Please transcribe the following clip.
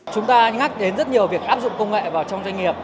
chúng ta nhắc đến rất nhiều việc áp dụng công nghệ vào trong doanh nghiệp